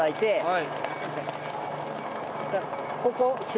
はい。